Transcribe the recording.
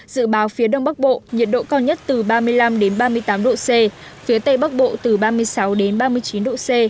dự báo phía đông bắc bộ nhiệt độ cao nhất từ ba mươi năm ba mươi tám độ c phía tây bắc bộ từ ba mươi sáu đến ba mươi chín độ c